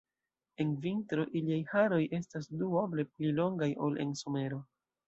En vintro iliaj haroj estas duoble pli longaj ol en somero.